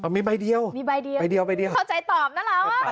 อ๋อมีใบเดียวมีใบเดียวใบเดียวใบเดียวเขาใจตอบน่ะล่ะว่า